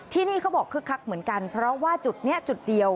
ที่นี่เขาบอกคึกคักเหมือนกันเพราะว่าจุดนี้จุดเดียว